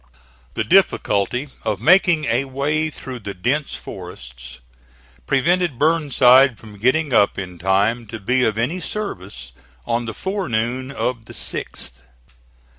The difficulty of making a way through the dense forests prevented Burnside from getting up in time to be of any service on the forenoon of the sixth.